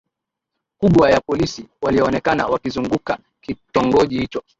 kubwa ya polisi walionekana wakizunguka kitongoji hicho